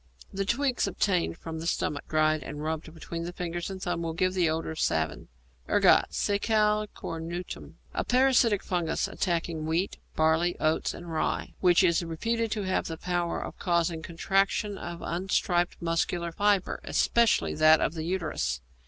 The twigs obtained from the stomach, dried and rubbed between the finger and thumb, will give the odour of savin. =Ergot= (Secale Cornutum). A parasitic fungus attacking wheat, barley, oats, and rye, which is reputed to have the power of causing contraction of unstriped muscular fibre, especially that of the uterus.